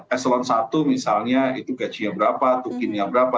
eselon i misalnya itu gajinya berapa tukinnya berapa